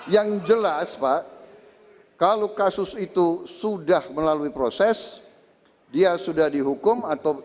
yang jelas pak kalau kasus itu sudah melalui proses dia sudah dihukum atau